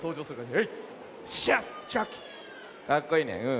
かっこいいねうん。